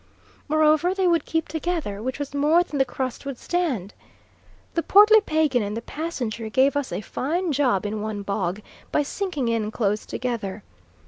Moreover, they would keep together, which was more than the crust would stand. The portly Pagan and the Passenger gave us a fine job in one bog, by sinking in close together.